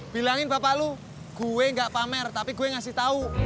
bilangin bapak lo gue gak pamer tapi gue ngasih tau